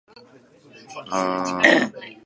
明日は早起きする予定だ。